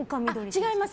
違います。